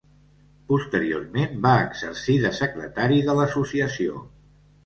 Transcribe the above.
Posteriorment va exercir de secretari de l'Associació.